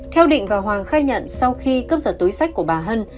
theo định và hoàng khai nhận sau khi cướp giật túi sách của bà hân